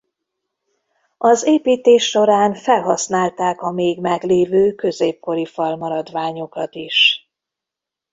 Az építés során felhasználták a még meglévő középkori falmaradványokat is.